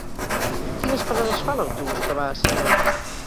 Quines parades fa l'autobús que va a Sineu?